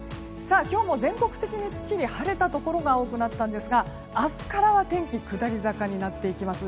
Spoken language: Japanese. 今日も全国的にすっきり晴れたところが多くなったんですが明日からは天気下り坂になっていきます。